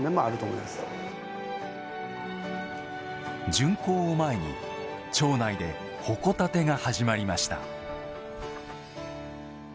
巡行を前に町内で鉾建てが始まりました。